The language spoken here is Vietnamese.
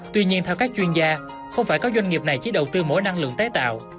tuy nhiên theo các chuyên gia không phải các doanh nghiệp này chỉ đầu tư mỗi năng lượng tái tạo